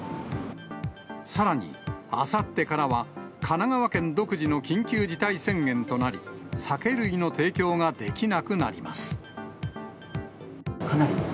さらに、あさってからは神奈川県独自の緊急事態宣言となり、酒類の提供ができなくなります。